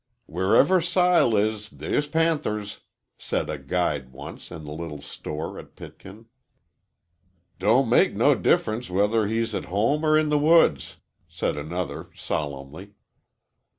"Wherever Sile is they's panthers," said a guide once, in the little store at Pitkin. "Don't make no dif'er'nce whuther he's t' home er in the woods," said another, solemnly.